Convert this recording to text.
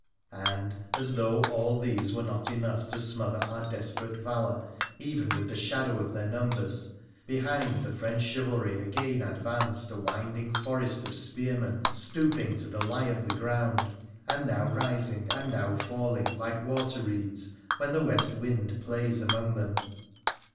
And, as though all these were not enough to smother our desperate valour even with the shadow of their numbers, behind the French chivalry again advanced a winding forest of spearmen stooping to the he of the ground, and now rising and now falling like water reeds when the west wind plays among them.